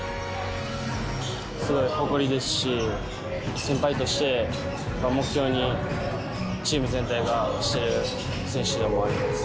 すごい誇りですし、先輩として、目標にチーム全体がしている選手でもあります。